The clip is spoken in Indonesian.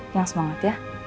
yang semangat ya